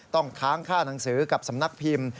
ต้องค้างค่าหนังสือกับสำนักพิมพ์